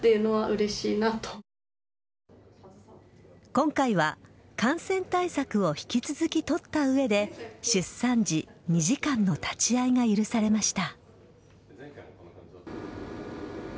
今回は感染対策を引き続き取った上で出産時２時間の立ち会いが許されました。